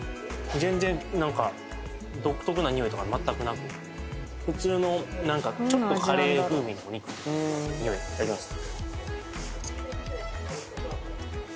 全然なんか独特な匂いとか全くなく普通のなんかちょっとカレー風味のお肉の匂いいただきます